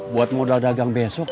buat modal dagang besok